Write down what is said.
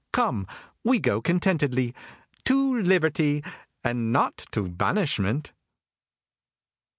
Come! We go contentedly to liberty, and not to banishment!"